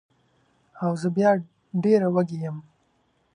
او زه بیا ډېره وږې یم